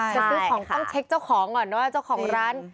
จะซื้อของต้องเช็คเจ้าของก่อนนะว่าเจ้าของร้าน